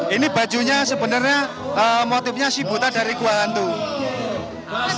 ini bajunya sebenarnya motifnya si buta dari gua hantu